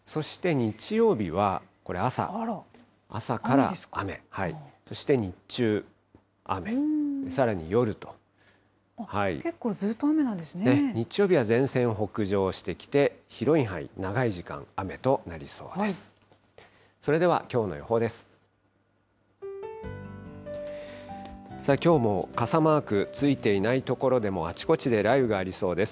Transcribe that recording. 日曜日は前線が北上してきて、広い範囲、長い時間雨となりそうです。